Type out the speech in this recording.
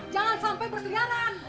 jangan sampai pertulianan